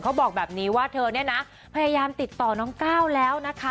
บอกแบบนี้ว่าเธอเนี่ยนะพยายามติดต่อน้องก้าวแล้วนะคะ